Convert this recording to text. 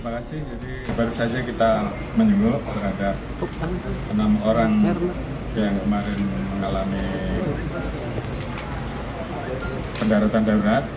terima kasih jadi baru saja kita menyebut terhadap enam orang yang kemarin mengalami pendaratan darurat